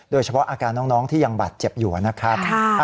โดยเฉพาะอาการน้องที่ยังบาดเจ็บอยู่นะครับ